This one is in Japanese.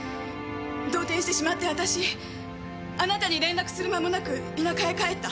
動転してしまって私あなたに連絡する間もなく田舎へ帰った。